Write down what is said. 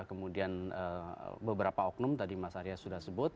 kemudian beberapa oknum tadi mas arya sudah sebut